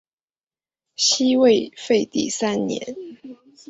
西魏废帝三年。